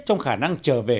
trong khả năng trở về